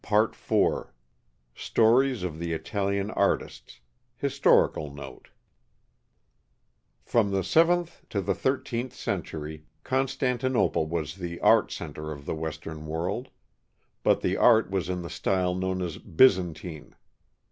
73 IV STORIES OF THE ITALIAN ARTISTS HISTORICAL NOTE From the seventh to the thirteenth century, Constantinople was the "art center" of the Western world, but the art was in the style known as Byzantine.